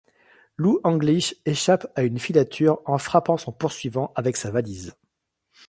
Lou Anglich échappe à une filature en frappant son poursuivant avec sa valise.